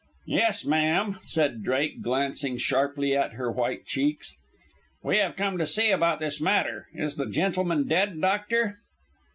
"Yes, ma'am," said Drake, glancing sharply at her white cheeks, "we have come to see about this matter. Is the gentleman dead, doctor?"